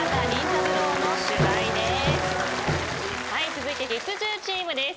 続いて月１０チームです。